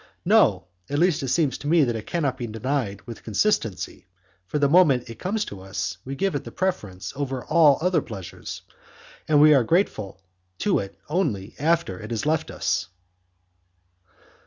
No, at least it seems to me that it cannot be denied with consistency, for, the moment it comes to us, we give it the preference over all other pleasures, and we are grateful to it only after it has left us.